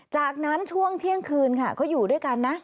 จากนั้นช่วงเที่ยงคืนค่ะเขาอยู่ด้วยกันนะ